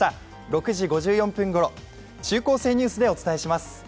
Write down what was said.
６時５４分頃、「中高生ニュース」でお伝えします。